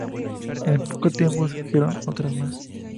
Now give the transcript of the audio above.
En poco tiempo surgieron otras más.